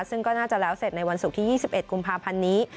ซึ่งก็น่าจะแล้วเสร็จในวันศุกร์ที่๒๑กุมภาพันธ์นี้